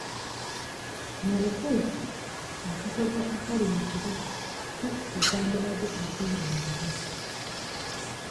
Mu butuufu akatogo akali mu kibuga takisi zandibadde teziyingira.